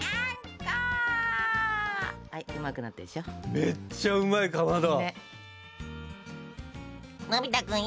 めっちゃうまいかまど。